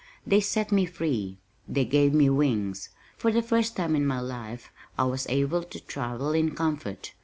They set me free. They gave me wings! For the first time in my life I was able to travel in comfort.